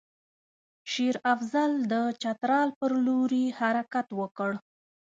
شېر افضل د چترال پر لوري حرکت وکړ.